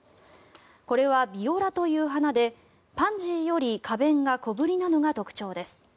これはビオラという花でパンジーより花弁が小ぶりなのが特徴です。